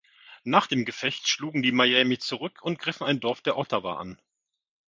Nach dem Gefecht schlugen die Miami zurück und griffen ein Dorf der Ottawa an.